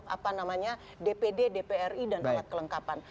apa namanya dpd dpri dan alat kelengkapan